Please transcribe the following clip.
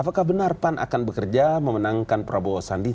apakah benar pan akan bekerja memenangkan prabowo sandi